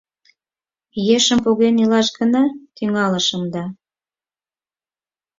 Ешым поген илаш гына тӱҥалышым да